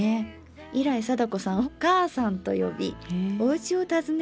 以来貞子さんを「母さん」と呼びおうちを訪ねることも。